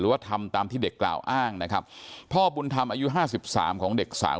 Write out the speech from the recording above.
ว่าทำตามที่เด็กกล่าวอ้างนะครับพ่อบุญธรรมอายุห้าสิบสามของเด็กสาม